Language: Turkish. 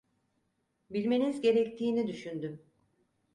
Bilmeniz gerektiğini düşündüm.